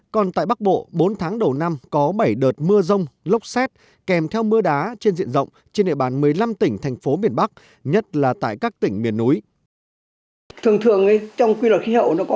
còn tại bắc bộ bốn tháng đầu năm có bảy đợt mưa rông lốc xét kèm theo mưa đá trên diện rộng trên địa bàn một mươi năm tỉnh thành phố miền bắc nhất là tại các tỉnh miền núi